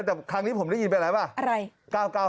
แต่ครั้งนี้ผมได้ยินไปแล้วหรือเปล่า